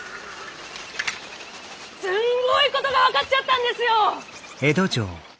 すんごいことが分かっちゃったんですよっ！